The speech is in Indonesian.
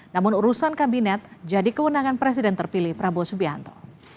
namun urusan kabinet jadi kewenangan presiden terpilih prabowo subianto